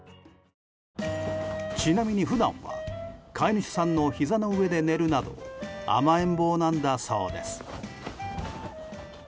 ちなみに普段は飼い主さんのひざの上で寝るなど甘えん坊なんだそうです。